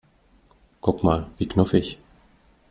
Guck mal, wie knuffig!